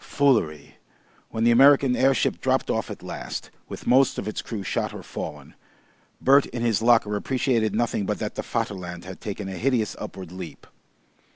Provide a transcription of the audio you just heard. Foolery! When the American airship dropped off at last, with most of its crew shot or fallen, Bert in his locker appreciated nothing but that the Vaterland had taken a hideous upward leap.